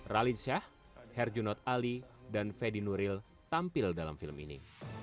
ralid shah herjunot ali dan fadi nuril tampil dalam film ini